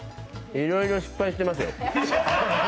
いろいろ失敗してますよ。